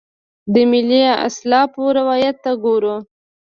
د ملي اسلافو روایت ته ګورو.